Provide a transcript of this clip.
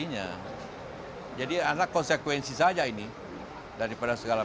nya jadi ada konsekuensi saja ini daripada segala